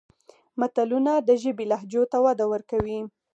متلونه د ژبې لهجو ته وده ورکوي